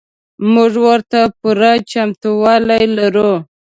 موږ ورته پوره چمتو والی لرو.